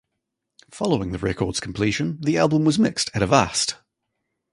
Following the record's completion, the album was mixed at Avast!